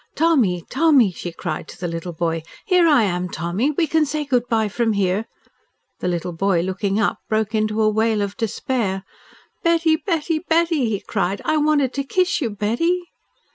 "Tommy! Tommy!" she cried to the little boy. "Here I am, Tommy. We can say good bye from here." The little boy, looking up, broke into a wail of despair. "Betty! Betty! Betty!" he cried. "I wanted to kiss you, Betty."